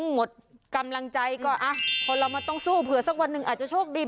หมดกำลังใจก็คนเรามันต้องสู้เผื่อสักวันหนึ่งอาจจะโชคดี